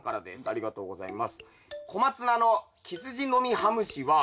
ありがとうございます。